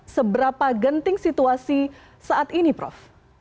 seberapa genting situasi saat ini prof